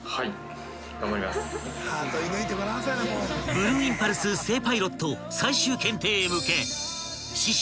［ブルーインパルス正パイロット最終検定へ向け］